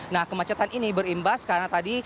nah kemacetan ini berimbas karena tadi